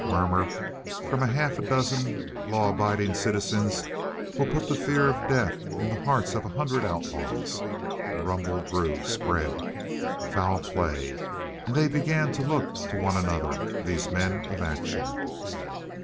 That murmur from half a dozen law abiding citizens will put the fear of death in the hearts of a hundred outlaws. The rumble grew, spread: "Foul play." And they began to look to one another, these men of action.